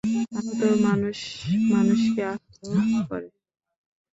আহত মানুষ মানুষকে আহত করে।